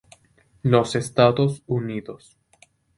Los Estados Unidos.